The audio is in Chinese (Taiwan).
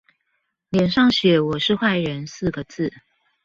臉上寫我是壞人四個字